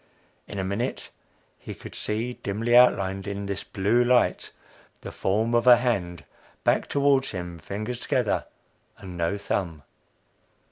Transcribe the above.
In a minute, he could see, dimly outlined in this blue light, the form of a hand, back toward him, fingers together, and no thumb.